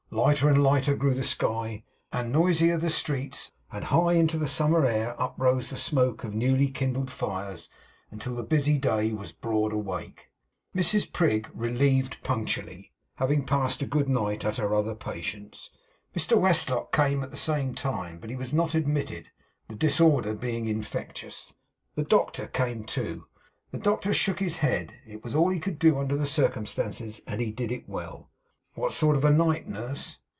Lighter and lighter grew the sky, and noisier the streets; and high into the summer air uprose the smoke of newly kindled fires, until the busy day was broad awake. Mrs Prig relieved punctually, having passed a good night at her other patient's. Mr Westlock came at the same time, but he was not admitted, the disorder being infectious. The doctor came too. The doctor shook his head. It was all he could do, under the circumstances, and he did it well. 'What sort of a night, nurse?